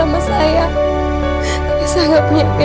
kaka taat bu